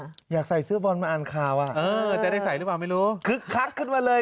อยากใส่เสื้อบอลมาอ่านข่าวอ่ะเออจะได้ใส่หรือเปล่าไม่รู้คึกคักขึ้นมาเลย